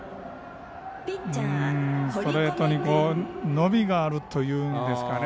ストレートに伸びがあるというんですかね。